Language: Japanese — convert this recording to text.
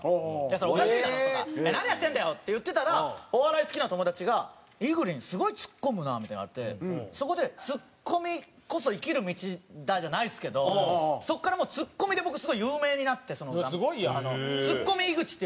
「それおかしいだろ」とか「何やってんだよ」って言ってたらお笑い好きな友達が「いぐりんすごいツッコむな」みたいになってそこでツッコミこそ生きる道だじゃないですけどそこからもうツッコミで僕すごい有名になってツッコミ井口って呼ばれてて。